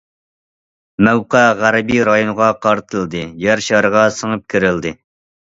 مەۋقە غەربىي رايونغا قارىتىلدى، يەر شارىغا سىڭىپ كىرىلدى.